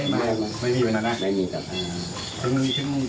ไม่มีแบบนั้นนะไม่มีแบบนั้น